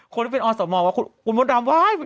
คนที่เป็นอสมว่าคุณม้นรมว่ามั๊ย